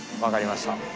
分かりました。